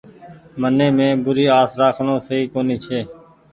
من مين بوري آس رآکڻو سئي ڪونيٚ ڇي۔